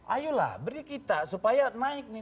ayolah beri kita supaya naik nih